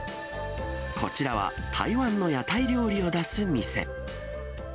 こちらは、台湾の屋台料理を出す店。